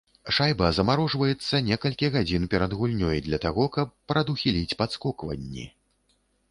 Шайба замарожваецца некалькі гадзін перад гульнёй для таго, каб прадухіліць падскокванні.